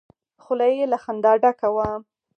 خوله يې له خندا ډکه وه.